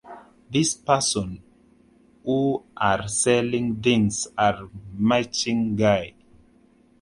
This person who are selling things are maching guy